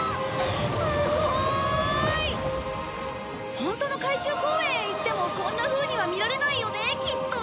ホントの海中公園へ行ってもこんなふうには見られないよねきっと！